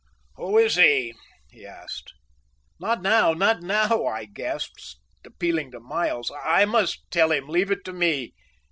"Who is he?" he asked. "Not now! not now!" I gasped, appealing to Miles. "I must tell him; leave it to me."